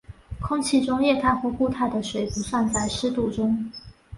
空气中液态或固态的水不算在湿度中。